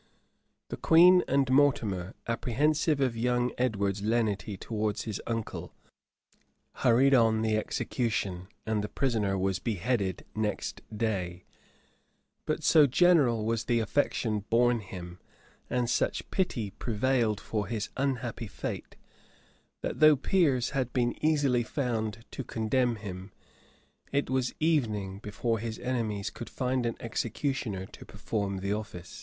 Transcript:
The queen and Mortimer, apprehensive of young Edward's lenity towards his uncle, hurried on the execution, and the prisoner was beheaded next day: but so general was the affection borne him, and such pity prevailed for his unhappy fate, that, though peers had been easily found to condemn him, it was evening before his enemies could find an executioner to perform the office.